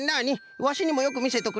ワシにもよくみせとくれ。